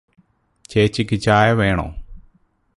ചേച്ചിക്ക് ചായ വേണോ?